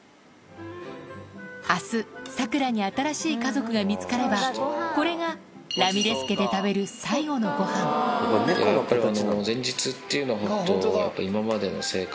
明日サクラに新しい家族が見つかればこれがラミレス家で食べるになるかもしれない。